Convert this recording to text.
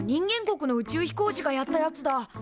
国の宇宙飛行士がやったやつだ。